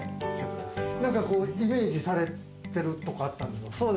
なんかイメージされてるとかあったんですか？